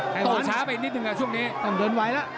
ต่อช้าไปนิดนึงครับช่วงนี้